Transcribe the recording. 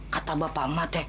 kata bapak mak teh kakek kamu